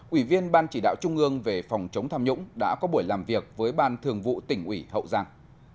ủy viên ban chỉ đạo trung ương về phòng chống tham nhũng đã có buổi làm việc với ban thường vụ tỉnh ủy hậu giang